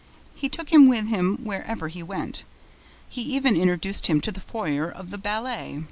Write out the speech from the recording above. He took him with him wherever he went. He even introduced him to the foyer of the ballet.